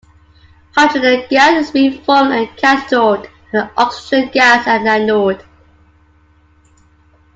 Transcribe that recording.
Hydrogen gas is being formed at the cathode, and oxygen gas at the anode.